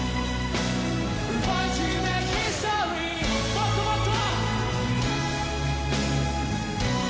もっともっと！